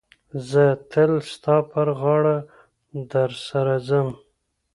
زه تل ستا پر غاړه در سره ځم.